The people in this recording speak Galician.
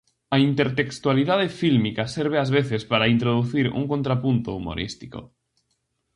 A intertextualidade fílmica serve ás veces para introducir un contrapunto humorístico.